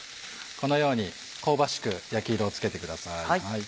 このように香ばしく焼き色をつけてください。